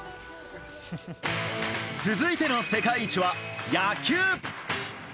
続いての世界一は野球。